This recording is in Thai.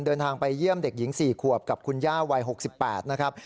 เดินทางไปเยี่ยมเด็กหญิง๔ขวบกับคุณย่าวัย๖๘นะครับ